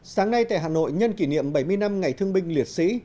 sáng nay tại hà nội nhân kỷ niệm bảy mươi năm ngày thương binh liệt sĩ